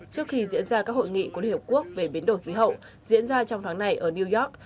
trước khi diễn ra các hội nghị của liên hiệp quốc về biến đổi khí hậu diễn ra trong tháng này ở new york